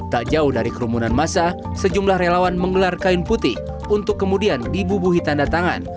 tak jauh dari kerumunan masa sejumlah relawan menggelar kain putih untuk kemudian dibubuhi tanda tangan